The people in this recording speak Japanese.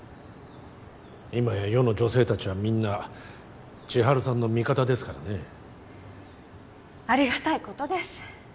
今や世の女性達はみんな千晴さんの味方ですからねありがたいことです